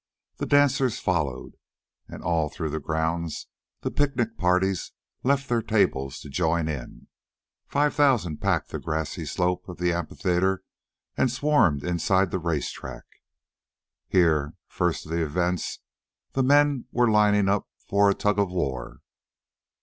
The dancers followed, and all through the grounds the picnic parties left their tables to join in. Five thousand packed the grassy slopes of the amphitheater and swarmed inside the race track. Here, first of the events, the men were lining up for a tug of war.